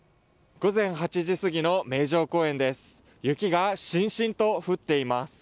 午前８時すぎの名城公園です。